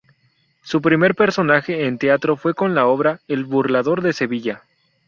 Su primer personaje en teatro fue con la obra "El burlador de Sevilla".